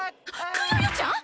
クヨヨちゃん！？